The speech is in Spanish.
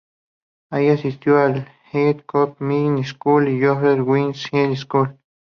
Allí asistió a la "East Cobb Middle School" y "Joseph Wheeler High School".